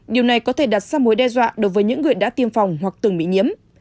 điều này có thể đặt ra mối đe dọa đối với những người đã tiêm phòng hoặc từng bị nhiễm